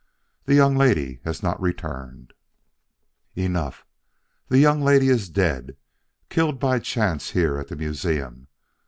The young lady has not returned " "Enough. The young lady is dead, killed by chance here at the museum.